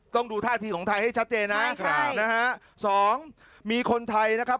ต้องดูท่าทีของไทยให้ชัดเจนนะครับนะฮะสองมีคนไทยนะครับ